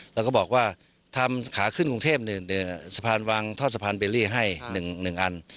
แล้วก็บอกว่าทำขาขึ้นกรุงเทพสะพานวางทอดสะพานเบลลี่ให้๑อัน